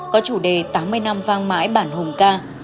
có chủ đề tám mươi năm vang mãi bản hùng ca